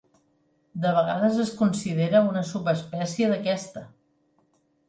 De vegades es considera una subespècie d'aquesta.